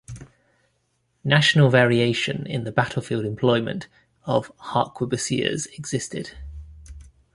National variation in the battlefield employment of harquebusiers existed.